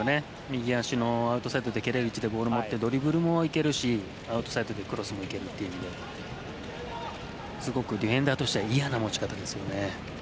右足アウトサイド蹴れる位置でボールを持ってドリブルもいけるしアウトサイドでクロスもいけるというのでディフェンダーとしてはすごく嫌な持ち方ですよね。